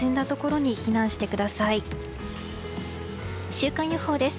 週間予報です。